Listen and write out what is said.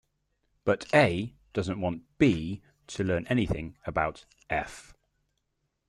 But "A" doesn't want "B" to learn anything about "f".